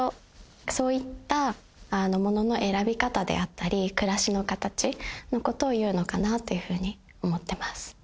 そういったものの選び方であったり暮らしの形のことをいうのかなっていうふうに思ってます。